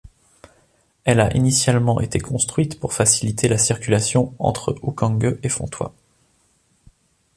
Elle a initialement été construite pour faciliter la circulation entre Uckange et Fontoy.